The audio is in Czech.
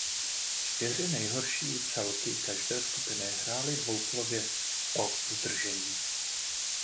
Čtyři nejhorší celky každé skupiny hrály dvoukolově o udržení.